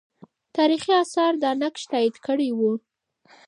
تاریخي آثار دا نقش تایید کړی وو.